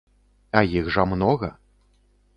А іх жа многа.